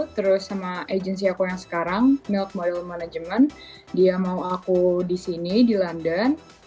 terus sama agency aku yang sekarang mealth model management dia mau aku di sini di london